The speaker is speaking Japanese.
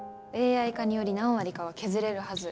ＡＩ化により何割かは削れるはず。